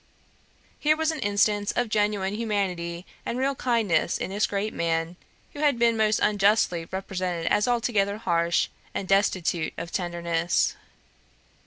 Here was an instance of genuine humanity and real kindness in this great man, who has been most unjustly represented as altogether harsh and destitute of tenderness.